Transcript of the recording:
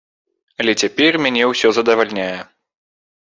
Але цяпер мяне ўсё задавальняе.